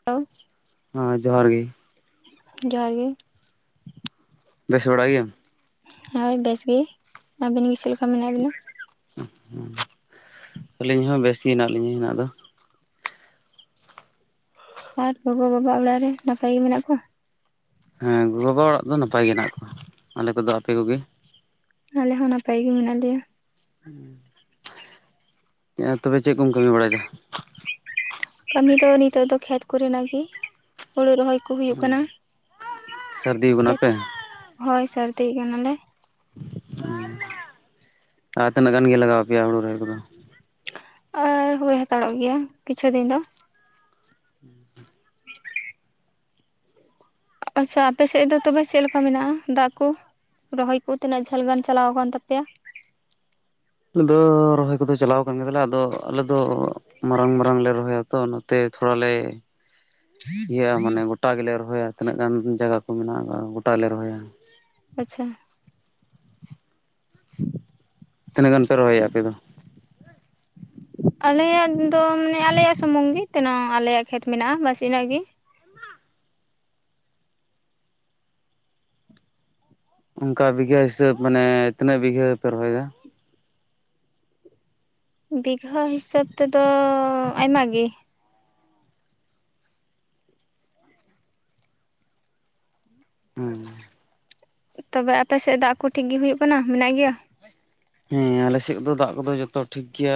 [unintelligible] ᱦᱮᱸ ᱡᱚᱦᱟᱨ ᱜᱮ᱾ ᱡᱚᱦᱟᱨ ᱜᱮ᱾ ᱵᱮᱥ ᱵᱟᱲᱟ ᱜᱮᱭᱟᱢ? ᱦᱳᱭ ᱵᱮᱥᱜᱮ, ᱟᱹᱵᱤᱱ ᱜᱮ ᱪᱮᱫ ᱞᱮᱠᱟ ᱢᱮᱱᱟᱜ ᱵᱤᱱᱟ? [unintelligible] ᱟᱹᱞᱤᱧ ᱦᱚᱸ ᱵᱮᱥ ᱜᱮ ᱦᱮᱱᱟᱜ ᱞᱤᱧᱟᱹ ᱦᱮᱱᱟᱜ ᱫᱚ᱾ ᱟᱨ ᱜᱚᱜᱚ ᱵᱟᱵᱟᱜ ᱚᱲᱟᱜ ᱨᱮ ᱱᱟᱯᱟᱭ ᱜᱮ ᱢᱮᱱᱟᱜ ᱠᱚᱣᱟ? ᱦᱮᱸ ᱜᱚ ᱵᱟᱵᱟ ᱚᱲᱟᱜ ᱫᱚ ᱱᱟᱯᱟᱭ ᱜᱮ ᱦᱮᱱᱟᱜ ᱠᱚᱣᱟ᱾ ᱟᱞᱮ ᱠᱚᱫᱚ ᱟᱯᱮ ᱠᱚᱜᱮ? ᱟᱞᱮ ᱦᱚᱸ ᱱᱟᱯᱟᱭ ᱜᱮ ᱢᱮᱱᱟᱜ ᱞᱮᱭᱟ᱾ ᱛᱚᱵᱮ ᱪᱮᱫ ᱠᱚᱢ ᱠᱟᱹᱢᱤ ᱵᱟᱲᱟᱭᱮᱫᱟ? ᱠᱟᱹᱢᱤ ᱫᱚ ᱱᱤᱛᱚᱜ ᱫᱚ ᱠᱷᱮᱛ ᱠᱚᱨᱮᱱᱟᱜ ᱜᱮ᱾ ᱦᱩᱲᱩ ᱨᱚᱦᱚᱭ ᱠᱚ ᱦᱩᱭᱩᱜ ᱠᱟᱱᱟ, ᱥᱟᱹᱨᱫᱤ ᱠᱟᱱᱟ ᱠᱷᱮᱛ ᱯᱮ? ᱦᱳᱭ ᱥᱟᱨᱫᱤ ᱠᱟᱱᱟᱞᱮ᱾ ᱟᱨ ᱛᱤᱱᱟᱹᱜ ᱜᱟᱱ ᱜᱮ ᱞᱟᱜᱟᱣ ᱯᱮᱭᱟ ᱦᱩᱲᱩ ᱨᱚᱦᱚᱭ ᱠᱚᱫᱚ? ᱟᱨ ᱦᱩᱭ ᱦᱟᱛᱟᱲᱚᱜ ᱜᱮᱭᱟ ᱠᱤᱪᱷᱩ ᱫᱤᱱ ᱫᱚ᱾ [unintelligible] [unintelligible] [inaudible] ᱟᱪᱪᱷᱟ ᱟᱯᱮ ᱥᱮᱫ ᱫᱚ ᱛᱚᱵᱮ ᱪᱮᱫ ᱞᱮᱠᱟ ᱢᱮᱱᱟᱜᱼᱟ ᱫᱟᱜ ᱠᱚ? ᱨᱚᱦᱚᱭ ᱠᱚ ᱛᱤᱱᱟᱹᱜ ᱡᱷᱟᱹᱞ ᱜᱟᱱ ᱪᱟᱞᱟᱣ ᱟᱠᱟᱱ ᱛᱟᱯᱮᱭᱟ? ᱟᱞᱮ ᱫᱚ ᱨᱚᱦᱚᱭ ᱠᱚᱫᱚ ᱪᱟᱞᱟᱣ ᱟᱠᱟᱱ ᱜᱮᱭᱟ ᱾ᱟᱫᱚ ᱟᱞᱮ ᱫᱚ ᱢᱟᱨᱟᱝ ᱢᱟᱨᱟᱝ ᱞᱮ ᱨᱚᱦᱚᱭᱟ ᱛᱚ, ᱚᱱᱟᱛᱮ ᱛᱷᱚᱲᱟᱞᱮ ᱤᱭᱟᱹ ᱟᱱᱮ ᱜᱚᱴᱟ ᱜᱮᱞᱮ ᱨᱚᱦᱚᱭᱟ᱾ ᱛᱤᱱᱟᱹᱜ ᱜᱟᱱ ᱡᱟᱭᱜᱟ ᱠᱚ ᱢᱮᱱᱟᱜᱼᱟ, ᱜᱚᱴᱟ ᱜᱮᱞᱮ ᱨᱚᱦᱚᱭᱟ᱾ ᱟᱪᱪᱷᱟ ᱛᱤᱱᱟᱹᱜ ᱜᱟᱱ ᱯᱮ ᱨᱚᱦᱚᱭᱟ ᱟᱯᱮ ᱫᱚ? ᱟᱞᱮᱭᱟᱜ ᱫᱚ ᱢᱟᱱᱮ ᱟᱞᱮᱭᱟᱜ ᱥᱩᱢᱩᱝ ᱜᱮ ᱠᱟᱱᱟ ᱟᱞᱮᱭᱟᱜ ᱠᱷᱮᱛ ᱢᱮᱱᱟᱜᱼᱟ ᱵᱟᱥ ᱤᱱᱟᱹᱜ ᱜᱮ ᱚᱱᱠᱟ ᱵᱤᱜᱷᱟᱹ ᱦᱤᱥᱟᱹᱵᱽ ᱢᱟᱱᱮ ᱛᱤᱱᱟᱹᱜ ᱵᱤᱜᱷᱟᱹ ᱯᱮ ᱨᱚᱦᱚᱭᱟ? ᱵᱤᱜᱷᱟᱹ ᱦᱤᱥᱟᱹᱵᱽ ᱛᱮᱫᱚ ᱟᱭᱢᱟ ᱜᱮ ᱦᱩᱸ ᱛᱚᱵᱮ ᱟᱯᱮ ᱥᱮᱫ ᱫᱟᱜ ᱠᱩ ᱴᱷᱤᱠ ᱜᱤ ᱦᱩᱭᱩᱜ ᱠᱟᱱᱟ ᱢᱮᱱᱟᱜ ᱜᱮᱭᱟ? ᱦᱮᱸ ᱟᱞᱮ ᱥᱮᱫ ᱫᱚ ᱫᱟᱜ ᱠᱚᱫᱚ ᱡᱚᱛᱚ ᱴᱷᱤᱠ ᱜᱮᱭᱟ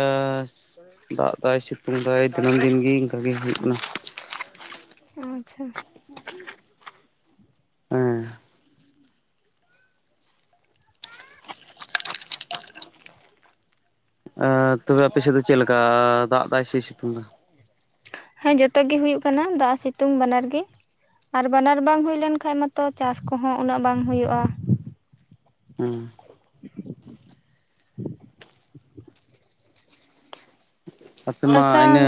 ᱫᱟᱜ ᱫᱟᱭ ᱥᱤᱛᱩᱝ ᱫᱟᱭ ᱫᱤᱱᱟᱹᱢ ᱫᱤᱱ ᱜᱮ ᱤᱱᱠᱟ ᱜᱮ ᱦᱩᱭᱩᱜ ᱠᱟᱱᱟ ᱟᱪᱷᱟ [inaudible] ᱮᱸ ᱟᱨ ᱛᱚᱵᱮ ᱟᱯᱮ ᱥᱮᱫ ᱫᱚ ᱪᱮᱫ ᱞᱮᱠᱟ ᱫᱟᱜ ᱫᱟᱭ ᱥᱮ ᱥᱤᱛᱩᱝ ᱫᱟ? ᱦᱮᱸ ᱡᱚᱛᱚ ᱜᱮ ᱦᱩᱭᱩᱜ ᱠᱟᱱᱟ ᱫᱟᱜ ᱥᱤᱛᱩᱝ ᱵᱟᱱᱟᱨ ᱜᱮ ᱟᱨ ᱵᱟᱱᱟᱨ ᱵᱟᱝ ᱦᱩᱭ ᱞᱮᱱ ᱠᱷᱟᱱ ᱢᱟᱛᱚ ᱪᱟᱥ ᱠᱚᱦᱚᱸ ᱩᱱᱟᱹᱜ ᱵᱟᱝ ᱦᱳᱭᱳᱜᱼᱟ ᱦᱩᱸ [inaudible] ᱟᱯᱮ ᱢᱟ ᱟᱪᱪᱷᱟ ᱤᱱᱟᱹ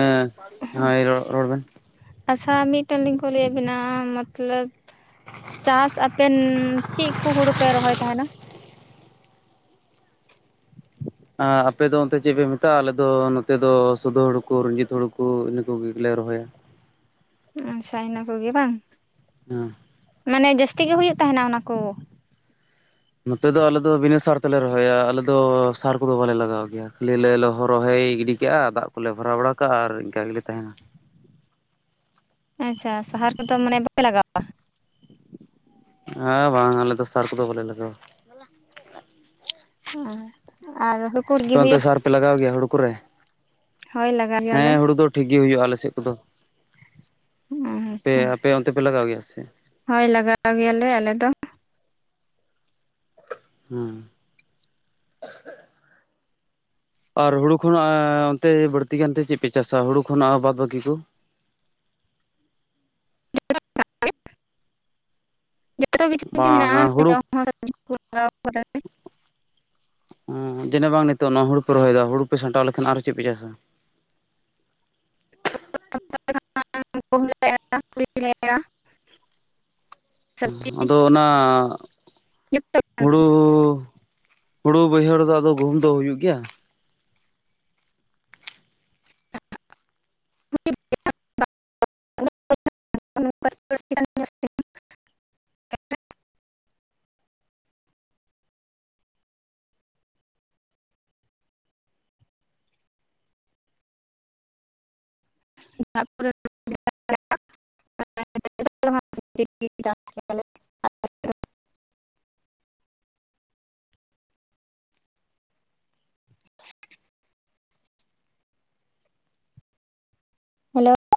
ᱦᱳᱭ ᱨᱚ ᱨᱚᱲ ᱵᱮᱱ ᱟᱪᱷᱟ ᱢᱤᱫ ᱴᱮᱱ ᱞᱤᱝ ᱠᱩᱞᱤᱭᱮᱫ ᱵᱮᱱᱟ ᱢᱚᱛᱞᱚᱵᱽ ᱪᱟᱥ ᱟᱯᱮᱱ ᱪᱤᱫ ᱠᱩ ᱦᱩᱲᱩ ᱯᱮ ᱨᱚᱦᱚᱭ ᱛᱟᱦᱮᱱᱟ? ᱮᱸ ᱟᱨ ᱟᱯᱮ ᱫᱚ ᱚᱱᱛᱮ ᱪᱮᱫ ᱯᱮ ᱢᱮᱛᱟᱜᱼᱟ ᱟᱞᱮ ᱫᱚ ᱱᱚᱛᱮ ᱫᱚ ᱥᱩᱫᱷ ᱦᱩᱲᱩ ᱠᱩ ᱨᱚᱸᱡᱤᱛ ᱦᱩᱲᱩ ᱠᱩ ᱤᱱᱟ. ᱠᱚᱜᱮᱞᱮ ᱨᱚᱦᱚᱭᱟ ᱟᱪᱷᱟ ᱤᱱᱟᱹ ᱠᱚᱜᱮ ᱵᱟᱝ ᱦᱩᱸ ᱢᱟᱱᱮ ᱡᱟᱹᱥᱛᱤ ᱜᱮ ᱦᱩᱭᱩᱜ ᱛᱟᱦᱮᱱᱟ ᱚᱱᱟ ᱠᱩ ᱱᱚᱛᱮ ᱫᱚ ᱟᱞᱮ ᱫᱚ ᱵᱤᱱᱟᱹ ᱥᱟᱨ ᱛᱮᱞᱮ ᱨᱚᱦᱚᱭᱟ ᱟᱞᱮ ᱫᱚ ᱥᱟᱨ ᱠᱚᱫᱚ ᱵᱟᱞᱮ ᱞᱟᱜᱟᱣ ᱜᱮᱭᱟ ᱠᱷᱟᱹ ᱞᱤ ᱞᱮ ᱠᱷᱟᱞᱤ ᱞᱮ ᱨᱚᱦᱚᱭ ᱜᱤᱰᱤ ᱦᱤᱡᱩᱜ-ᱟ ᱫᱟᱜ ᱠᱚᱞᱮ ᱵᱷᱚᱨᱟᱣ ᱵᱟᱲᱟ ᱠᱟᱜᱼᱟ ᱟᱨ ᱤᱱᱠᱟ ᱜᱮᱞᱮ ᱛᱟᱦᱮᱱᱟ ᱟᱪᱷᱟ ᱥᱟᱦᱟᱨ ᱠᱚᱫᱚ ᱢᱟᱱᱮ ᱵᱟᱯᱮ ᱞᱟᱜᱟᱣᱟ ᱦᱮᱸ ᱵᱟᱝ ᱟᱞᱮ ᱫᱚ ᱥᱟᱨ ᱠᱚᱫᱚ ᱵᱟᱞᱮ ᱞᱟᱜᱟᱣᱟ᱾ [unintelligible] ᱦᱩᱸ ᱟᱨ [unintelligible] [unintelligible] ᱚᱱᱛᱮ ᱥᱟᱨ ᱯᱮ ᱞᱟᱜᱟᱣ ᱜᱮᱭᱟ ᱦᱩᱲᱩ ᱠᱚᱨᱮ? ᱦᱳᱭ ᱞᱟᱜᱟᱣ ᱜᱮᱭᱟᱞᱮ ᱦᱮᱸ ᱦᱩᱲᱩ ᱫᱚ ᱴᱷᱤᱠ ᱜᱮ ᱦᱩᱭᱩᱜᱼᱟ ᱟᱞᱮ ᱥᱮᱫ ᱠᱚᱫᱚ ᱟᱯᱮ ᱟᱪᱪᱷᱟ ᱟᱯᱮ ᱚᱱᱛᱮ ᱯᱮ ᱞᱟᱜᱟᱣ ᱜᱮᱭᱟ ᱥᱮ ᱪᱮᱫ? ᱦᱳᱭ ᱞᱟᱜᱟᱣ ᱜᱮᱭᱟᱞᱮ ᱟᱞᱮ ᱫᱚ ᱦᱩᱸ ᱟᱨ ᱦᱩᱲᱩ ᱠᱷᱚᱱᱟᱜ ᱮᱸ ᱚᱱᱛᱮ ᱵᱟᱹᱲᱛᱤ ᱜᱟᱱᱛᱮ ᱪᱮᱫᱯᱮ ᱪᱟᱥᱟ ᱦᱩᱲᱩ ᱠᱷᱚᱱᱟᱜ ᱵᱟᱫᱽ ᱵᱟᱹᱠᱤ ᱠᱚ? ᱵᱟᱝ [unintelligible] ᱚᱸ ᱡᱤᱱᱟᱹᱜ ᱵᱟᱝ ᱱᱤᱛᱚᱜ ᱱᱚᱶᱟ ᱦᱩᱲᱩ ᱯᱮ ᱨᱚᱦᱚᱭᱫᱟ ᱦᱩᱲᱩ ᱯᱮ ᱥᱟᱢᱴᱟᱣ ᱞᱮᱠᱷᱟᱱ ᱟᱨᱚ ᱪᱮᱫ ᱯᱮ ᱪᱟᱥᱟ? [unintelligible] ᱦᱩᱸ ᱟᱫᱚ ᱚᱱᱟ [unintelligible] ᱦᱩᱲᱩᱻ ᱦᱩᱲᱩ ᱵᱟᱹᱭᱦᱟᱹᱲᱫᱚ ᱟᱫᱚ ᱜᱩᱦᱩᱢ ᱫᱚ ᱦᱩᱭᱩᱜ ᱜᱮᱭᱟ [unintelligible] [unintelligible] ᱦᱮᱞᱳ [inaudible]